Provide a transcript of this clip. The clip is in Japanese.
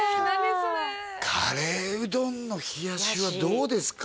それカレーうどんの冷やしはどうですか？